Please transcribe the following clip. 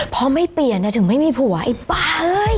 เพราะไม่เปลี่ยนถึงไม่มีผัวไอ้ป๊าเอ้ย